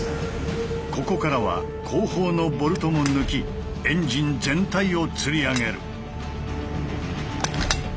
ここからは後方のボルトも抜きエンジン全体をつり上げる。